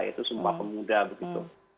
yaitu sebuah pemuda begitu